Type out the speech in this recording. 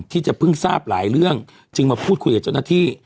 ที่จะเพิ่งทราบหลายเรื่องจึงมาพูดคุยกับเจ้าหน้าที่